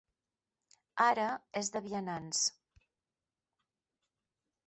Ara és de vianants.